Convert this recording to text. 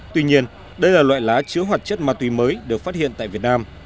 tuy nhiên đây là loại lá chứa hoạt chất ma túy mới được phát hiện tại việt nam